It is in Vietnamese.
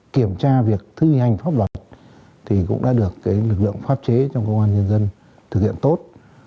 kiểm tra việc thi hành pháp luật thì cũng đã được lực lượng pháp chế trong công an nhân dân thực hiện tốt